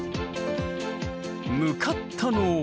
向かったのは。